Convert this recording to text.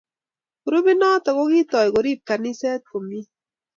Grupit noto kokitoi korib kaniset komnye